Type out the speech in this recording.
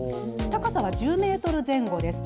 高さは１０メートル前後です。